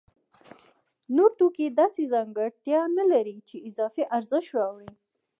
نور توکي داسې ځانګړتیا نلري چې اضافي ارزښت راوړي